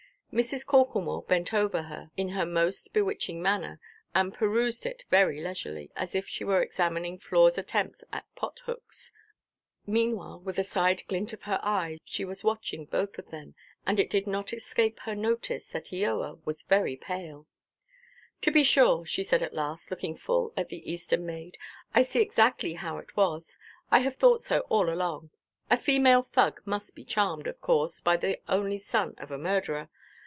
Mrs. Corklemore bent over her, in her most bewitching manner, and perused it very leisurely, as if she were examining Floreʼs attempts at pothooks. Meanwhile, with a side–glint of her eyes, she was watching both of them; and it did not escape her notice that Eoa was very pale. "To be sure," she said at last, looking full at the Eastern maid, "I see exactly how it was. I have thought so all along. A female Thug must be charmed, of course, by the only son of a murderer.